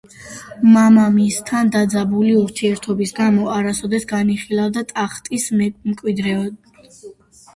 მამამისთან დაძაბული ურთიერთობის გამო არასოდეს განიხილებოდა ტახტის მემკვიდრედ.